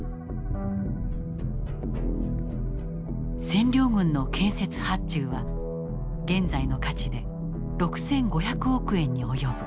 占領軍の建設発注は現在の価値で６，５００億円に及ぶ。